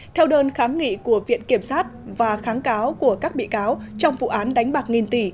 theo đơn kháng nghị của viện kiểm sát và kháng cáo của các bị cáo trong vụ án đánh bạc nghìn tỷ